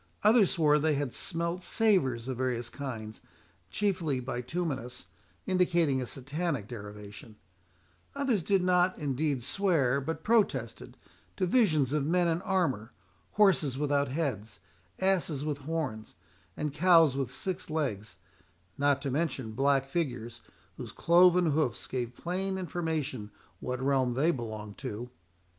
Others swore they had smelt savours of various kinds, chiefly bituminous, indicating a Satanic derivation; others did not indeed swear, but protested, to visions of men in armour, horses without heads, asses with horns, and cows with six legs, not to mention black figures, whose cloven hoofs gave plain information what realm they belonged to.